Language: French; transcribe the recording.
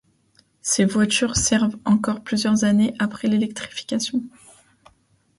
Ces voitures servent encore plusieurs années après l'électrification.